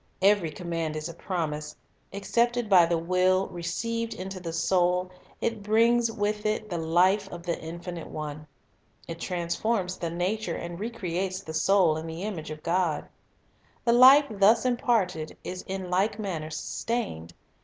Every command is a promise; accepted by the will, received into the soul, it brings with it the life of the Infinite One. It transforms the nature, and re creates the soul in the image of God. The life thus imparted is in like manner sustained.